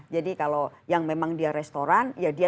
jadi kalau yang memang dia restoran ya dia hanya restoran